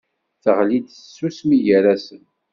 Teɣli-d tsusmi gar-asen.